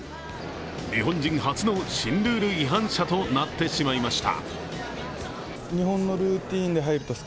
日本人初の新ルール違反者となってしまいました。